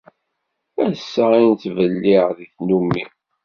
Assa i nettbelliε deg tannumi.